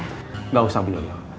nggak usah bu yoyo